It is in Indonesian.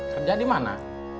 kerja di mana